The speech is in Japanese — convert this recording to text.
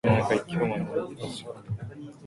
無加工やんまじで